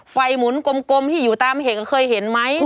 หมุนกลมที่อยู่ตามเหงเคยเห็นไหม